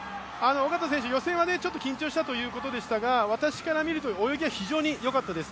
小方選手、予選は緊張したということでしたが私から見ると泳ぎは非常によかったです。